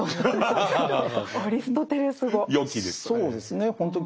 「よき」ですね。